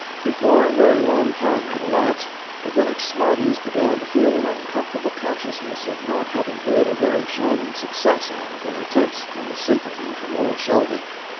Before a very long time had elapsed, the village smarties began to feel an uncomfortable consciousness of not having made a very shining success out of their attempts on the simpleton from "old Shelby."